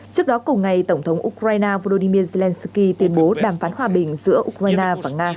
trước đó cùng ngày tổng thống ukraine volodymyr zelenskyy tuyên bố đàm phán hòa bình giữa ukraine và nga